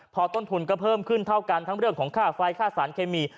พอต้นทุนก็เพิ่มขึ้นเท่ากันทั้งเรื่องของค่าไฟค่าสารเคมี